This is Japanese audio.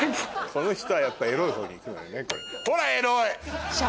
この人はやっぱエロい方にいくのよね。